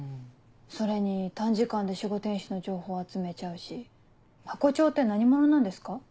それに短時間で守護天使の情報集めちゃうしハコ長って何者なんですか？